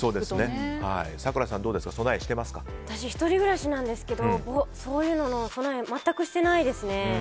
私、１人暮らしなんですけどそういうのの備え全くしてないですね。